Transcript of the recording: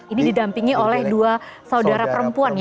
ini didampingi oleh dua saudara perempuannya